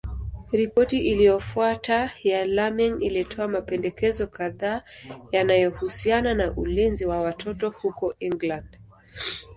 Ripoti iliyofuata ya Laming ilitoa mapendekezo kadhaa yanayohusiana na ulinzi wa watoto huko England.